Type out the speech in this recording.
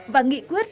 và nghị quyết